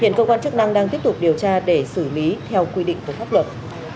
hiện công an chức năng đang tiếp tục điều tra để xử lý theo quy định của pháp luật